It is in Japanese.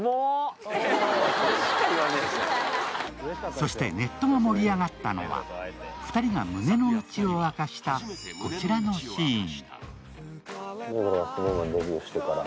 そして、ネットが盛り上がったのは２人が胸のうちを明かした、こちらのシーン。